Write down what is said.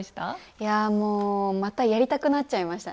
いやもうまたやりたくなっちゃいました。